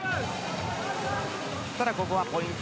ただ、ここはポイント